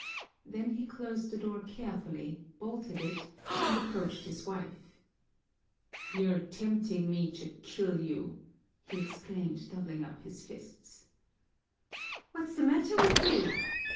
Then he closed the door carefully, bolted it, and approached his wife. "You're tempting me to kill you!" he exclaimed, doubling up his fists. "What's the matter with you?"